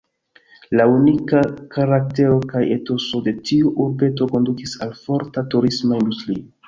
La unika karaktero kaj etoso de tiu urbeto kondukis al forta turisma industrio.